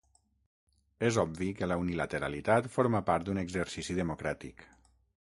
És obvi que la unilateralitat forma part d’un exercici democràtic.